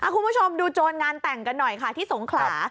คุณผู้ชมดูโจรงานแต่งกันหน่อยค่ะที่สงขลา